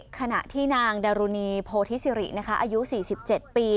ขณะที่นางดารุณีโพธิสิริอายุ๔๗ปี